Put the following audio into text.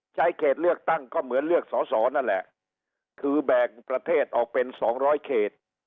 เขตเลือกตั้งก็เหมือนเลือกสอสอนั่นแหละคือแบ่งประเทศออกเป็นสองร้อยเขต